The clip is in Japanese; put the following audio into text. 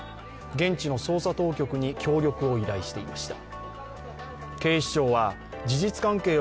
現地の捜査当局に、協力を依頼していました。